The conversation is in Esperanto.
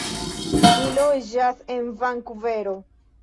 Li loĝas en Vankuvero.